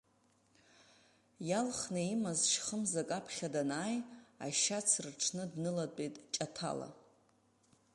Иалхны имаз шьхымзак аԥхьа данааи, ашьац рҽны днылатәеит Ҷаҭала.